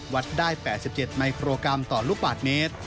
วัดได้๘๗มิโครกรัมต่อลูกบาทเมตร